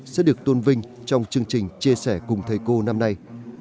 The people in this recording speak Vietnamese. sẽ được tôn vinh trong chương trình chia sẻ cùng thầy cô năm nay